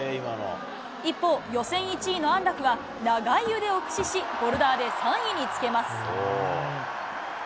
一方、予選１位の安楽は、長い腕を駆使し、ボルダーで３位につけます。